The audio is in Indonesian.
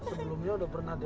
aku ingin pergi sekali lagi